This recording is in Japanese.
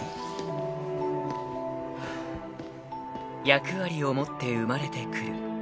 ［役割を持って生まれてくる］